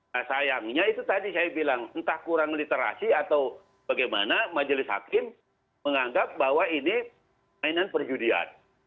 nah sayangnya itu tadi saya bilang entah kurang literasi atau bagaimana majelis hakim menganggap bahwa ini mainan perjudian